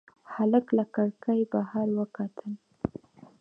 هلک له کړکۍ بهر وکتل.